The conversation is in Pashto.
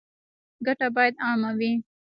ګټه باید عامه وي